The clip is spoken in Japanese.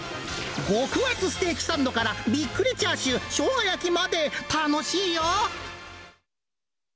極厚ステーキサンドから、びっくりチャーシュー、しょうが焼きまで、楽しいよ。